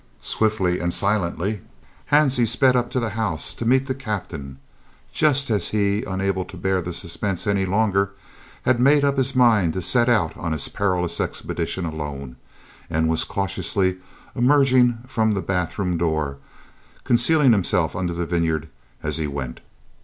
Swiftly and silently Hansie sped up to the house to meet the Captain, just as he, unable to bear the suspense any longer, had made up his mind to set out on his perilous expedition alone and was cautiously emerging from the bath room door, concealing himself under the vineyard as he went.